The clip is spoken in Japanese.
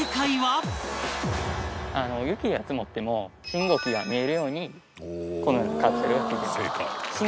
雪が積もっても信号機が見えるようにこのようなカプセルが付いてる。